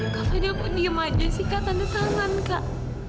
kak fadil kok diem aja sih kak tanda tangan kak